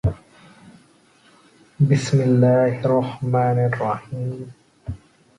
لما زهى زهر الربيع بروضه